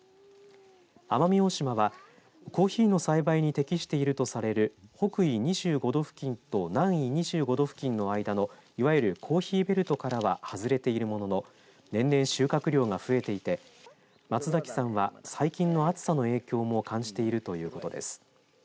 奄美大島はコーヒーの栽培に適しているとされる北緯２５度付近と南緯２５度付近の間のいわゆるコーヒーベルトからは外れているものの年々収穫量が増えていて松崎さんは、最近の暑さの影響も感じているということです。